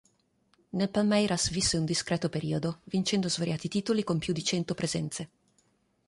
Nel Palmeiras visse un discreto periodo, vincendo svariati titoli con più di cento presenze.